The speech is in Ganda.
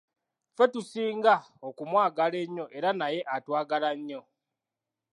Ffe, tusinga okumwagala ennyo era naye atwagala nnyo.